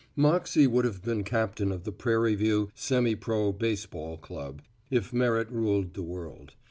Moxey would have been captain of the Prairie View Semi Pro. B. B. Club, if merit ruled the world.